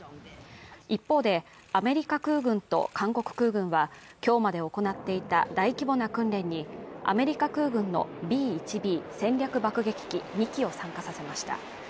一方で、アメリカ空軍と韓国空軍は今日まで行っていた大規模な訓練にアメリカ空軍のＢ−１Ｂ戦略爆撃機２機を参加させました。